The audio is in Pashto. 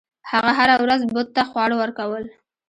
هغه هره ورځ بت ته خواړه ورکول.